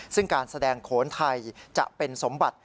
ซึ่งการแสดงโขนไทยจะเป็นสมบัติ